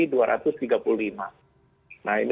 nah ini warning untuk daerah daerah lain